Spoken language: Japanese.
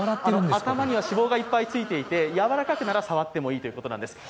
頭には脂肪がいっぱいついていて、やわらかくなら触ってもいいということです。